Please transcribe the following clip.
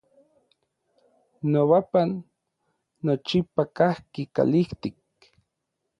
Nobapan nochipa kajki kalijtik.